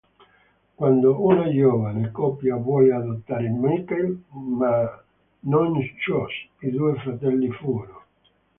Quando una giovane coppia vuole adottare Michael, ma non Josh, i due fratelli fuggono.